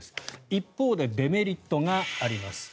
一方でデメリットがあります。